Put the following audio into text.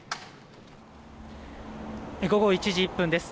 午後１時１分です。